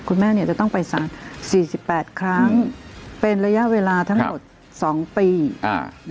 คุณแม่เนี่ยจะต้องไปสารสี่สิบแปดครั้งเป็นระยะเวลาทั้งหมดสองปีอ่า